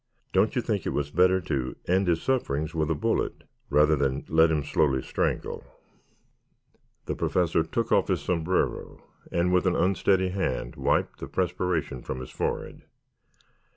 Don't you think it was better to end his sufferings with a bullet rather than let him slowly strangle?" The Professor took off his sombrero, and, with an unsteady hand, wiped the perspiration from his forehead.